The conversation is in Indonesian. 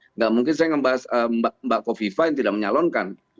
tidak mungkin saya membahas mbak kofifa yang tidak menyalonkan